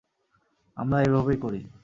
আমরা এভাবেই করি!